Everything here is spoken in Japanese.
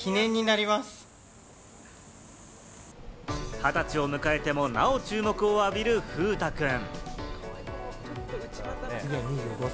二十歳を迎えても、なお注目を浴びる風太くん。